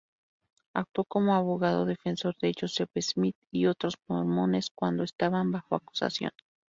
Actuó como abogado defensor de Joseph Smith y otros mormones cuando estaban bajo acusación.